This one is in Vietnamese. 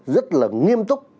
rất là nghiêm túc